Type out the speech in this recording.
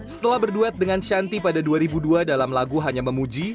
setelah berduet dengan shanti pada dua ribu dua dalam lagu hanya memuji